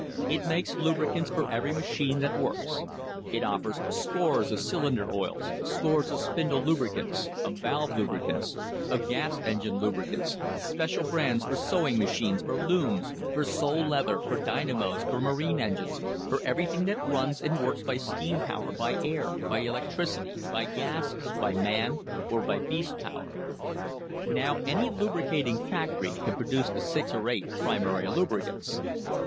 It makes lubricants for every machine that works. It offers scores of cylinder oils, scores of spindle lubricants, of valve lubricants, of gas engine lubri THE LEGITIMATE GREATNESS OF THE COMPANY cants, special brands for sewing machines, for looms, for sole leather, for dynamos, for marine engines, for everything that runs and works by steam power, by air, by electricity, by gas, by man, or by beast power. Now any lubricating factory can produce the six or eight primary lubricants.